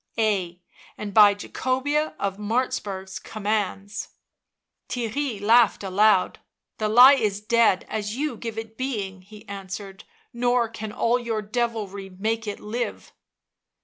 " Ay, and by Jacobea of Martzburg' s commands." Theirry laughed aloud. " The lie is dead as you give it being," he answered —" nor can all your devilry make it live."